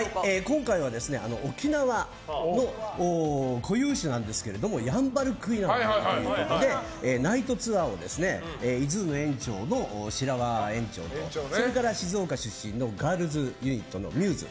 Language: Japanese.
今回は沖縄の固有種なんですがヤンバルクイナということでナイトツアーをｉＺｏｏの園長の白輪園長、それと静岡出身のガールズユニットのＭＵＳＥ